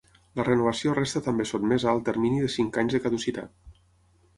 La renovació resta també sotmesa al termini de cinc anys de caducitat.